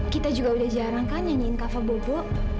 kita juga udah jarang kan nyanyiin cover bobo